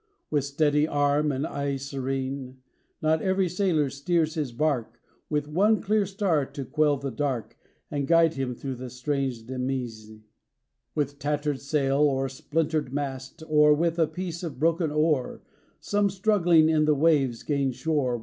With steady arm and eye serene, Not every sailor steers his bark, With one clear star to quell the dark And guide him through the strange demesne. 32 OLIVER WENDELL HOLMES. With tattered sail or splintered mast Or with a piece of broken oar, Some struggling in the waves gain shore.